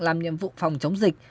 làm nhiệm vụ phòng chống dịch